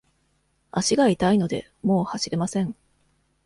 足が痛いので、もう走れません。